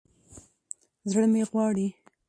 زړه مې غواړي